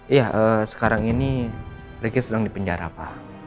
iya sekarang ini rigi sedang dipenjara pa